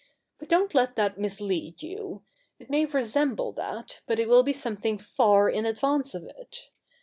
But don't let that mislead you. It may resemble that, but it will be something far in advance of it.